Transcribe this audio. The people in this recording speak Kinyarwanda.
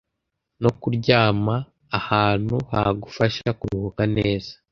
no kuryama ahantu hagufasha kuruhuka neza